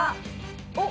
おっ！